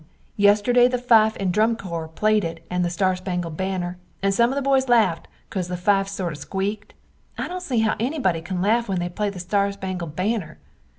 Yesterday the fife and drum corpse plaid it and the Star Spangled Banner and some of the boys lafft becaus the fifes sort of sqweekt. I dont see how ennybody can laff when they play the Star Spangled Banner.